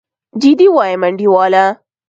جدي وايم انډيواله.